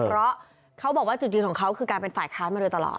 เพราะเขาบอกว่าจุดยืนของเขาคือการเป็นฝ่ายค้านมาโดยตลอด